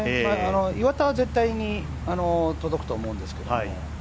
岩田は絶対に届くと思うんですけれども。